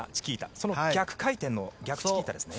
その逆回転の逆チキータですね。